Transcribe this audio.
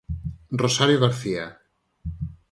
Rosario García.